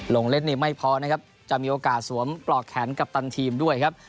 ลงเล่นนี้ไม่พอจะมีโอกาสสวมกรอกแขนกัปตันทีมด้วย